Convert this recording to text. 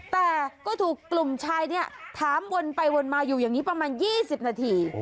แต่ก็ถูกกลุ่มชายเนี่ยถามวนไปวนมาอยู่อย่างนี้ประมาณ๒๐นาที